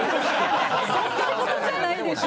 そんな事じゃないでしょ。